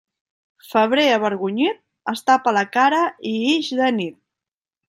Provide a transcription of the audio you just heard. Febrer avergonyit, es tapa la cara i ix de nit.